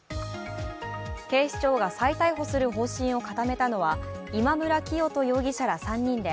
警視庁が再逮捕する方針を固めたのは今村磨人容疑者ら３人で。